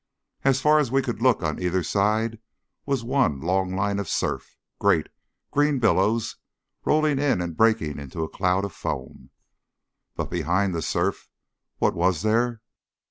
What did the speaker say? As far as we could look on either side was one long line of surf, great, green billows rolling in and breaking into a cloud of foam. But behind the surf what was there!